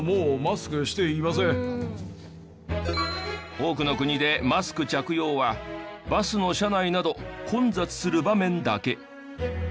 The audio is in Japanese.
多くの国でマスク着用はバスの車内など混雑する場面だけ。